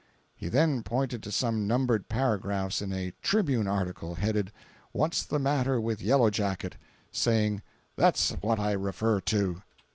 He then pointed to some numbered paragraphs in a TRIBUNE article, headed "What's the Matter with Yellow Jacket?" saying "That's what I refer to."